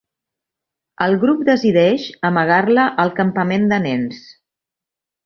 El grup decideix amagar-la al campament de nens.